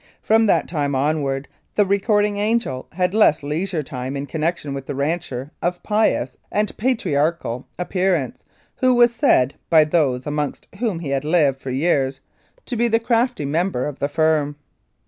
From that time onwards the Recording Angel had less leisure time in connection with the rancher of pious and patriarchal appearance, who was said, by those amongst whom he had lived for years, to be the crafty member of the firm.